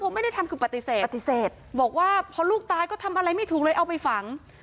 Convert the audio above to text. ผมไม่ได้ทำคือปฏิเสธปฏิเสธบอกว่าพอลูกตายก็ทำอะไรไม่ถูกเลยเอาไปฝัง